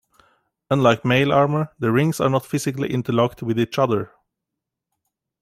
Unlike mail armour, the rings are not physically interlocked with each other.